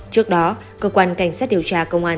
trước đó cơ quan cảnh sát điều tra công an